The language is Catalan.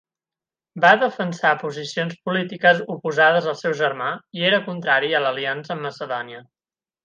Va defensar posicions polítiques oposades al seu germà i era contrari a l'aliança amb Macedònia.